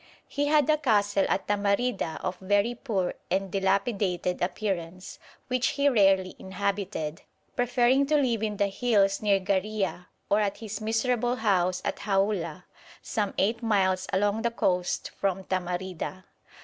He had a castle at Tamarida of very poor and dilapidated appearance, which he rarely inhabited, preferring to live in the hills near Garriah, or at his miserable house at Haula, some eight miles along the coast from Tamarida.